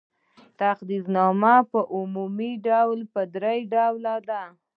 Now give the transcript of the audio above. تقدیرنامه په عمومي ډول درې ډوله ده.